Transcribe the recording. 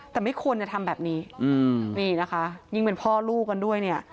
แต่ไม่ควรจะทำแบบนี้นี่นะคะยิ่งเป็นพ่อลูกกันด้วยเนี่ย